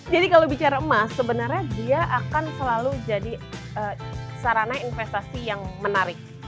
kalau bicara emas sebenarnya dia akan selalu jadi sarana investasi yang menarik